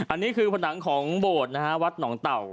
อันนี้คือผนังของโบสถ์นะฮะวัดหนองเต่า